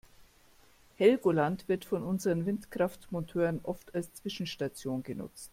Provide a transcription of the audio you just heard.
Helgoland wird von unseren Windkraftmonteuren oft als Zwischenstation genutzt.